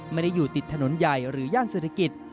ไม่ได้อยู่ติดถนนใหญ่หรือย่านเศรษฐกิจ